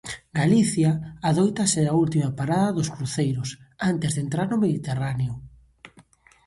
Galicia adoita ser a última parada dos cruceiros antes de entrar no Mediterráneo.